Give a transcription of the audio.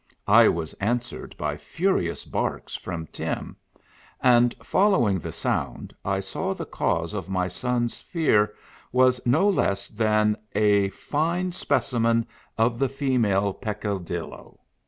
I was answered by furious barks from Tim ; and following the sound, I saw the cause of my son's fear was no less than a fine speci men of the female Peccadillo.